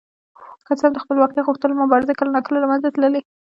که څه هم د خپلواکۍ غوښتونکو مبارزې کله ناکله له منځه تللې.